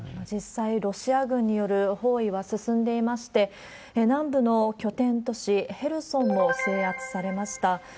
実際、ロシア軍による包囲は進んでいまして、南部の拠点都市ヘルソンも制圧されました。